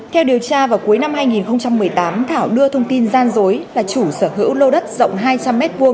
theo điều tra vào cuối năm hai nghìn một mươi tám thảo đưa thông tin gian dối là chủ sở hữu lô đất rộng hai trăm linh m hai